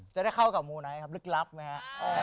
จะได้เข้ากับมูไนท์ครับลึกลับไหมฮะ